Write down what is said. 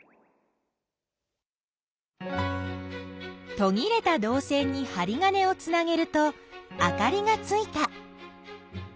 とぎれたどう線にはり金をつなげるとあかりがついた。